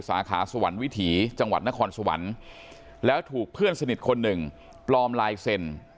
สาขาสวรรค์วิถีจังหวัดนครสวรรค์แล้วถูกเพื่อนสนิทคนหนึ่งปลอมลายเซ็น